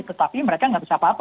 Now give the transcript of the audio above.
tetapi mereka nggak bisa apa apa